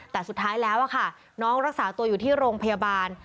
แต่สุดท้ายแล้วค่ะน้องรักษาตัวอยู่ที่โรงพยาบาล